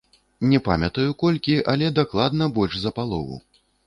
Не памятаю, колькі, але дакладна больш за палову.